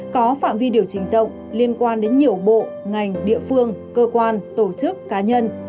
có phạm vi điều chỉnh rộng liên quan đến nhiều bộ ngành địa phương cơ quan tổ chức cá nhân